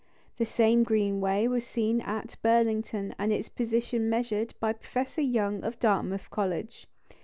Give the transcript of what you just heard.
The same green ray was seen at Burlington and its position measured by Professor Young of Dartmouth College.